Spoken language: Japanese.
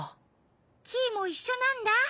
キイもいっしょなんだ。